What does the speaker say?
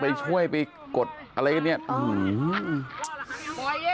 ไปช่วยไปกดอะไรอย่างเนี่ย